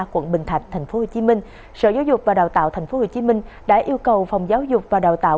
quận bình thạnh tp hcm sở giáo dục và đào tạo tp hcm đã yêu cầu phòng giáo dục và đào tạo